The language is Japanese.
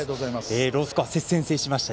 ロースコア、接戦を制しました。